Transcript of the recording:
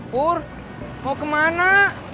pur mau kemana